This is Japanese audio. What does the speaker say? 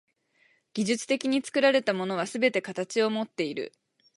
技術的に作られたものはすべて形をもっている。